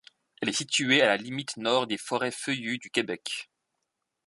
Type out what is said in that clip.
Elle est située à la limite nord des forêts feuillues du Québec.